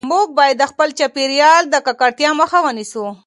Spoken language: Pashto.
موږ باید د خپل چاپیریال د ککړتیا مخه ونیسو.